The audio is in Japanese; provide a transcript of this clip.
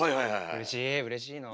うれしいうれしいなあ。